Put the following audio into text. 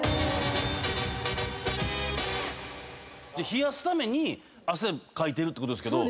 冷やすために汗かいてるってことですけど。